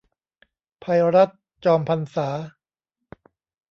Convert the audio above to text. ไพรัช จอมพรรษา